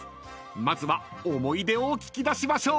［まずは思い出を聞き出しましょう］